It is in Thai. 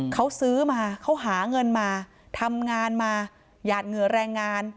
เขาซื้อมาเขาหาเงินมาทำงานมาหยาดเหงื่อแรงงาน